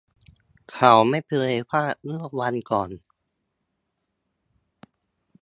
เขาไม่เคยพลาดเมื่อวันก่อน